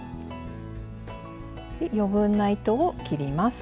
余分な糸を切ります。